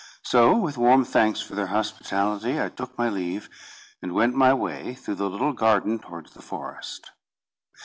So, with warm thanks for their hospitality, I took my leave, and went my way through the little garden towards the forest.